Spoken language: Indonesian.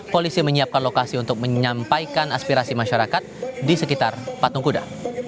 polisi menyiapkan lokasi untuk menyampaikan aspirasi masyarakat di sekitar patung kuda